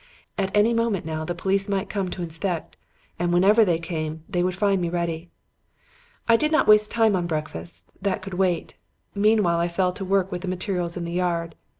At any moment now, the police might come to inspect, and whenever they came, they would find me ready. "I did not waste time on breakfast. That could wait. Meanwhile I fell to work with the materials in the yard.